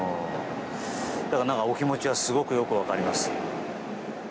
だからお気持ちはすごくよく分かります。